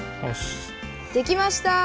できました！